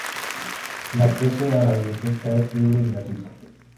El acceso a la Biblioteca es libre y gratuito.